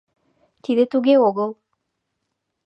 Тиде туге огыл.